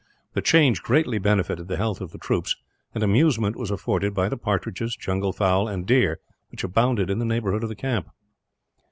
The change greatly benefited the health of the troops, and amusement was afforded by the partridges, jungle fowl, and deer which abounded in the neighbourhood of the camp.